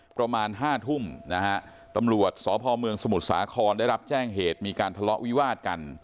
ประมาณห้าทุ่มนะฮะตำรวจสพเมืองสมุทรสาครได้รับแจ้งเหตุมีการทะเลาะวิวาดกัน